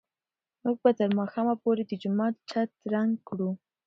موږ به تر ماښامه پورې د جومات چت رنګ کړو.